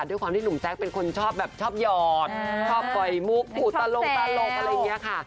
ด้วยความที่หนุ่มแจ๊คเป็นคนชอบแบบชอบหยอดชอบปล่อยมุกผูตลงตลกอะไรอย่างนี้ค่ะ